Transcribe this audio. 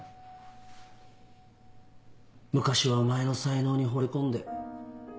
昔はお前の才能にほれ込んで。